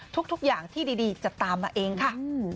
ทุกอย่างที่ดีจะตามมาเองค่ะ